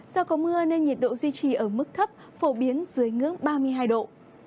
do có mưa nên nhiệt độ duy trì ở mức thấp phổ biến dưới ngưỡng ba mươi hai độ